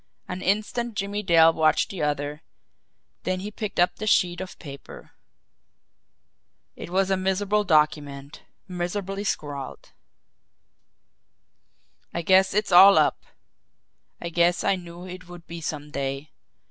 An instant Jimmie Dale watched the other, then he picked up the sheet of paper. It was a miserable document, miserably scrawled: "I guess it's all up. I guess I knew it would be some day.